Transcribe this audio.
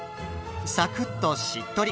「サクッ」と「しっとり」